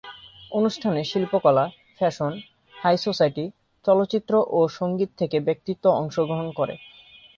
অনুষ্ঠানে শিল্পকলা, fashion, high society, চলচ্চিত্র ও সঙ্গীত থেকে ব্যক্তিত্ব অংশগ্রহণ করে।